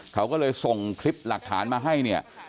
เขาก็เลยส่งคลิปหลักฐานมาให้เนี่ย